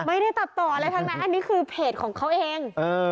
ไม่ได้ตัดต่ออะไรทั้งนั้นอันนี้คือเพจของเขาเอง